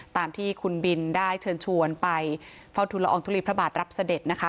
ตามที่คุณบินได้เชิญชวนไปเฝ้าทุลอองทุลีพระบาทรับเสด็จนะคะ